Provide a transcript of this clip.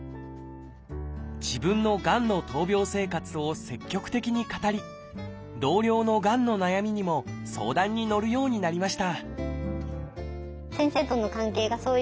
自分のがんの闘病生活を積極的に語り同僚のがんの悩みにも相談にのるようになりました